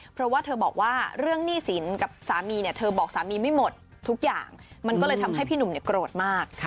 เพราะว่าเธอบอกว่าเรื่องหนี้สินกับสามีเนี่ยเธอบอกสามีไม่หมดทุกอย่างมันก็เลยทำให้พี่หนุ่มเนี่ยโกรธมาก